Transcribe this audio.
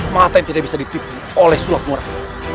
mata yang tidak bisa ditipu oleh sulap murah